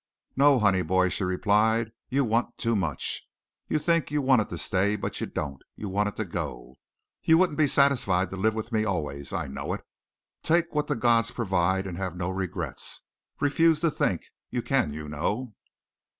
"No, honey boy," she replied, "you want too much. You think you want it to stay, but you don't. You want it to go. You wouldn't be satisfied to live with me always, I know it. Take what the gods provide and have no regrets. Refuse to think; you can, you know."